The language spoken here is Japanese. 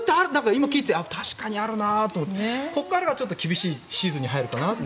今、聞いていて確かにあるなと思ってここからがちょっと厳しいシーズンに入るかなって。